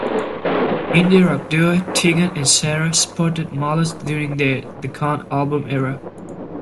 Indie rock duo Tegan and Sara sported mullets during their "The Con" album era.